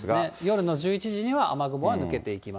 夜の１１時には雨雲は抜けていきます。